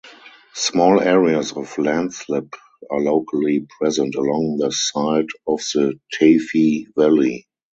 Small areas of landslip are locally present along the side of the Teifi valley.